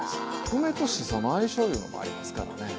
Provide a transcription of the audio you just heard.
梅としその相性いうのもありますからね。